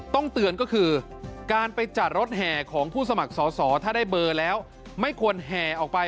ต้องเตือนก็คือการไปจัดรถแห่ของผู้สมัครสอสอถ้าได้เบอร์แล้วไม่ควรแห่ออกไป